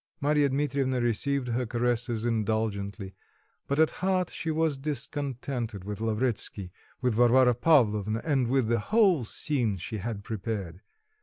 Marya Dmitrievna received her caresses indulgently; but at heart she was discontented with Lavretsky, with Varvara Pavlovna, and with the whole scene she had prepared.